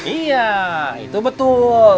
iya itu betul